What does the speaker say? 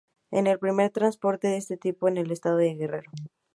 Es el primer transporte de este tipo en el estado de Guerrero.